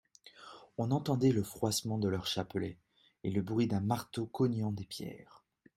On entendait le froissement de leurs chapelets, et le bruit d'un marteau cognant des pierres.